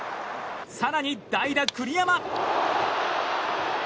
更に代打、栗山！